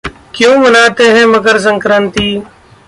क्यों मनाते हैं मकर संक्रांति?